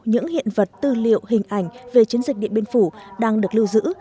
những hiện vật tư liệu hình ảnh về chiến dịch điện biên phủ đang được lưu giữ